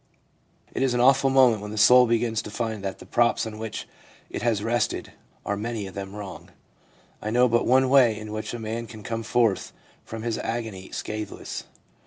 ' It is an awful moment when the soul begins to find that the props on which it has rested are many of them wrong. ... I know but one way in which a man can come forth from this agony scatheless.